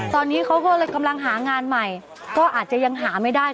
ตอนนี้เขาก็เลยกำลังหางานใหม่ก็อาจจะยังหาไม่ได้